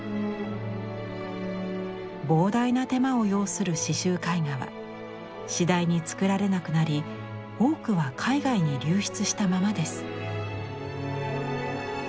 膨大な手間を要する刺繍絵画は次第に作られなくなり多くは海外に流出したままです。